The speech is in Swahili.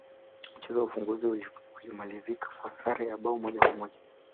mchezo wa ufunguzi ulimalizika kwa sare ya bao moja kwa moja